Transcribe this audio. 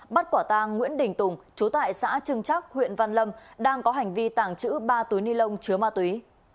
bắt quả tang nguyễn đình tùng chú tại xã trưng chắc huyện văn lâm đang có hành vi tàng trữ ba túi ni lông chứa ma túy